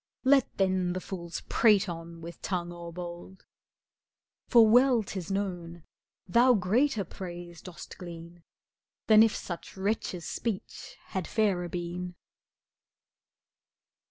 Let then the fools prate on with tongue o'erbold, For well 'tis known, thou greater praise dost glean Than if such wretches' speech had fairer been.